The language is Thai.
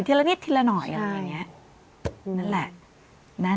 ละนิดทีละหน่อยอะไรอย่างนี้นั่นแหละ